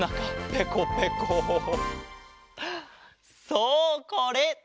そうこれ！